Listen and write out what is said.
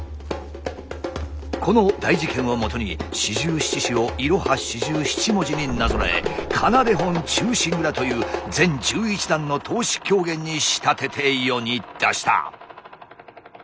この大事件をもとに四十七士をいろは四十七文字になぞらえ「仮名手本忠臣蔵」という全十一段の通し狂言に仕立てて世に出した。